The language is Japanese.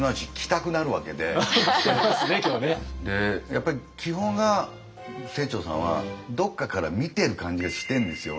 やっぱり基本が清張さんはどっかから見てる感じがしてんですよ